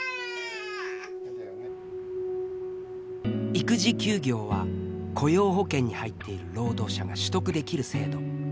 育児休業は雇用保険に入っている労働者が取得できる制度。